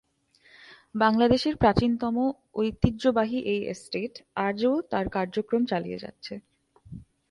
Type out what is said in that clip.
বাংলাদেশের প্রাচীনতম ঐতিহ্যবাহী এই এস্টেট আজও তার কার্যক্রম চালিয়ে যাচ্ছে।